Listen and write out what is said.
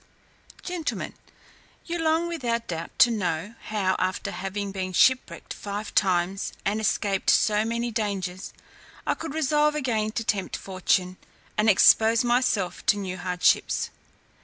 Gentlemen, you long without doubt to know, how, after having been shipwrecked five times, and escaped so many dangers, I could resolve again to tempt fortune, and expose myself to new hardships?